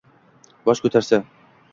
Bosh ko’tarsa